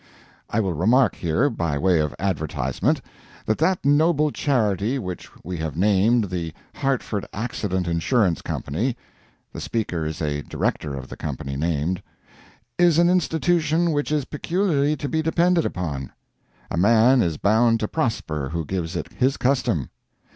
I will remark here, by way of advertisement, that that noble charity which we have named the HARTFORD ACCIDENT INSURANCE COMPANY [The speaker is a director of the company named.] is an institution which is peculiarly to be depended upon. A man is bound to prosper who gives it his custom.